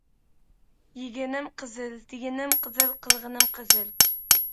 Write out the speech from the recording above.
يېگىنىم قىزىل، دېگىنىم قىزىل، قىلغىنىم قىزىل.